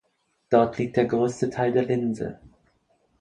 Dort liegt der größte Teil der Linse.